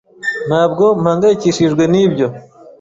Ntabwo mpangayikishijwe nibyo.